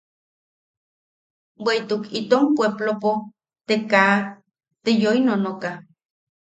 Bweʼituk itom puepplopo te kaa te yoi nonoka.